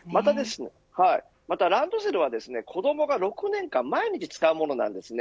またランドセルはですね子どもが６年間毎日使うものなんですね。